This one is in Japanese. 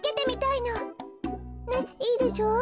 ねっいいでしょう？